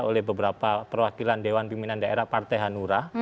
oleh beberapa perwakilan dewan pimpinan daerah partai hanura